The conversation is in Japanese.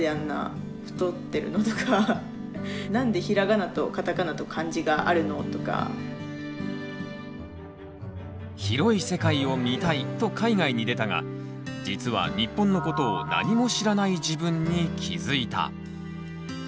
ノルウェー行った時に広い世界を見たいと海外に出たが実は日本のことを何も知らない自分に気付いた。